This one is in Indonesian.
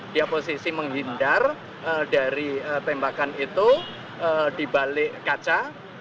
dia posisi menghindar dari tembakan itu dibalik kaca